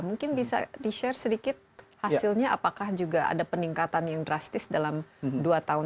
mungkin bisa di share sedikit hasilnya apakah juga ada peningkatan yang drastis dalam dua tahun